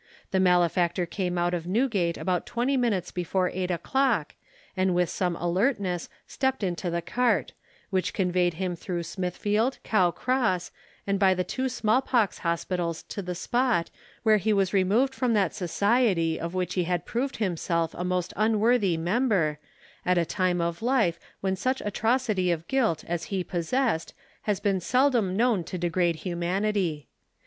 The malefactor came out of Newgate about twenty minutes before eight o'clock, and with some alertness stepped into the cart, which conveyed him through Smithfield, Cow Cross, and by the two small pox hospitals to the spot, where he was removed from that society of which he had proved himself a most unworthy member, at a time of life when such atrocity of guilt as he possessed has been seldom known to degrade humanity.